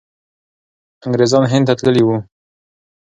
انګریزان هند ته تللي وو.